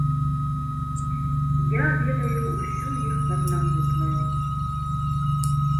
Я ведаю ўсю іх паднаготную.